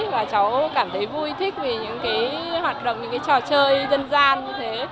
và cháu cảm thấy vui thích vì những trò chơi dân gian như thế